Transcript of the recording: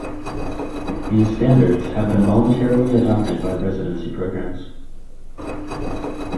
These standards have been voluntarily adopted by residency programs.